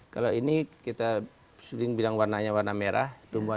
kalau ini kita sering bilang warnanya warna merah